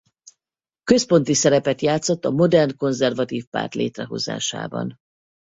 Központi szerepet játszott a modern konzervatív párt létrehozásában.